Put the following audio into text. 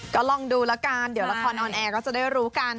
ก็ลองดูแล้วกันเดี๋ยวละครออนแอร์ก็จะได้รู้กัน